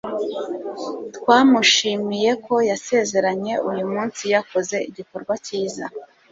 Twamushimiye ko yasezeranye uyu munsi yakoze igikorwa cyiza.